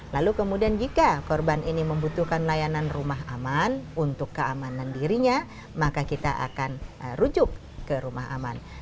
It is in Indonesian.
lalu kemudian jika korban ini membutuhkan layanan rumah aman untuk keamanan dirinya maka kita akan rujuk ke rumah aman